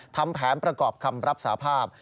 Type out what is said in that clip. ทำแผนประกอบคำรับสาภาพ